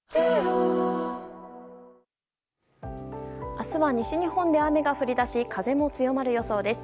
明日は西日本で雨が降り出し風も強まる予想です。